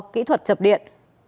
kỹ thuật chập điện